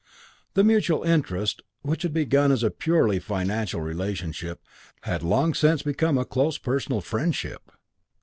The mutual interest, which had begun as a purely financial relationship, had long since become a close personal friendship.